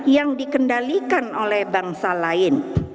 yang dikendalikan oleh bangsa lain